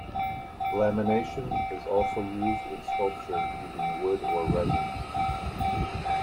Lamination is also used in sculpture using wood or resin.